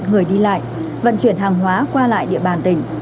người đi lại vận chuyển hàng hóa qua lại địa bàn tỉnh